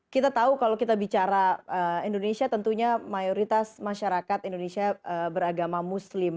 kita tahu kalau kita bicara indonesia tentunya mayoritas masyarakat indonesia beragama muslim